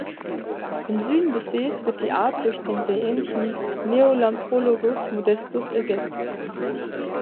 Im Süden des Sees wird die Art durch den sehr ähnlichen "Neolamprologus modestus" ersetzt.